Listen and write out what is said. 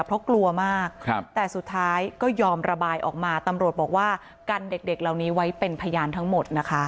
เพราะกลัวมากแต่สุดท้ายก็ยอมระบายออกมาตำรวจบอกว่ากันเด็กเหล่านี้ไว้เป็นพยานทั้งหมดนะคะ